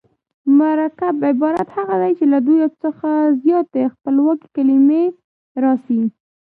مرکب عبارت هغه دﺉ، چي له دوو څخه زیاتي خپلواکي کلیمې راسي.